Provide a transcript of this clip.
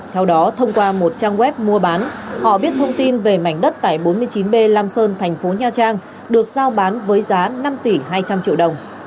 theo đó thông qua một trang web mua bán họ biết thông tin về mảnh đất tại bốn mươi chín b lam sơn thành phố nha trang được giao bán với giá năm tỷ hai trăm linh triệu đồng